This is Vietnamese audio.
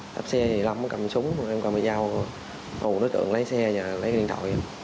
tắp xe thì lắm cầm súng em còn phải giao đối tượng lấy xe lấy điện thoại